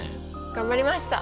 頑張りました！